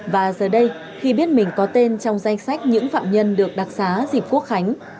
và giờ đây khi biết mình có tên trong danh sách những phạm nhân được đặc xá dịp quốc khánh